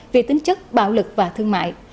vì tính chất bạo lực và thương mại